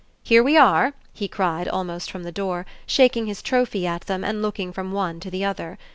"Here we are!" he cried almost from the door, shaking his trophy at them and looking from one to the other.